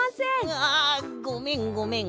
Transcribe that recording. ああごめんごめん。